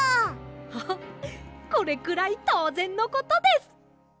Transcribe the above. ハハッこれくらいとうぜんのことです！